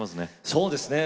そうですね。